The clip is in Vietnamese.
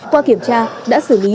qua kiểm tra đã xử lý